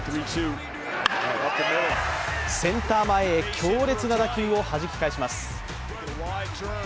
センター前へ強烈な打球をはじき返します。